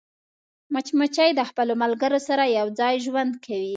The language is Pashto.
مچمچۍ د خپلو ملګرو سره یوځای ژوند کوي